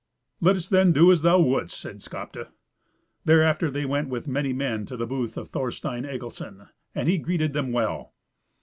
"Let us then do as thou wouldst," said Skapti. Thereafter they went with many men to the booth of Thorstein Egilson, and he greeted them well.